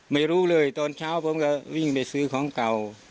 ไม่รู้เลยตอนเช้าผมก็วิ่งไปซื้อของเก่า